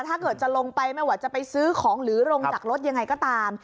ถ้าเกิดจะลงไปไม่ว่าจะไปซื้อของหรือลงจากรถยังไงก็ตาม